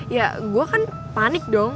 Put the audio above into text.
ya gue kan panik dong